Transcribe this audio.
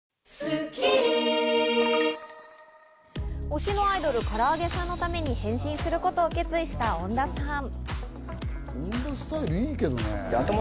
推しのアイドル・からあげさんのために変身することを決意した恩田さん。